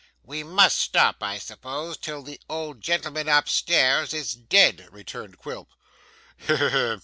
'We must stop, I suppose, till the old gentleman up stairs is dead,' returned Quilp.